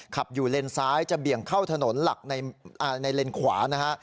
ขับอยู่เลนซ้ายจะเบี่ยงเข้าถนนหลักในเลนขวานะฮะ